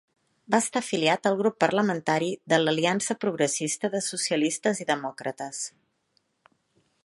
Va estar afiliat al grup parlamentari de l'Aliança Progressista de Socialistes i Demòcrates.